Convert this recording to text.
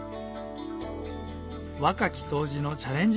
若き杜氏のチャレンジ